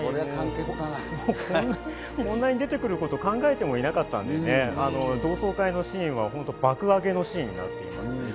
こんなに出てくることを考えてもいなかったのでね、同窓会のシーンは本当に爆上げのシーンになっています。